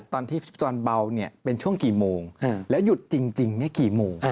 ตอนที่จอนเบาเป็นช่วงกี่โมงแล้วหยุดจริงกี่โมง